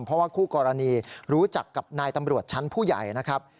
เพราะว่าคู่กรณีรู้จักกับนายตำรวจชั้นผู้ใหญ่นะครับ